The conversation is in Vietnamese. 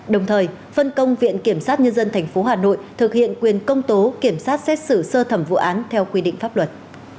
đồng thời phân công viện kiểm sát nhân dân tp hà nội thực hiện quyền công tố kiểm soát xét xử sơ thẩm vụ án theo quy định pháp luật